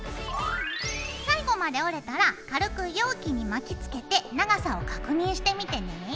最後まで折れたら軽く容器に巻きつけて長さを確認してみてね。